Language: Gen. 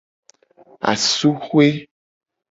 Asupe.